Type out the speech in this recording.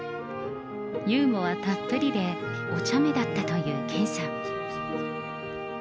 ユーモアたっぷりで、お茶目だったという健さん。